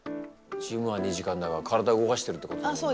ジムは２時間だが体動かしてるってことだもんなあ。